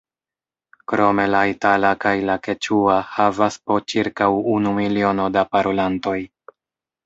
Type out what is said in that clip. Krome la itala kaj la keĉua havas po ĉirkaŭ unu miliono da parolantoj.